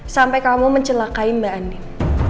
sampai kamu mencelakai mbak andi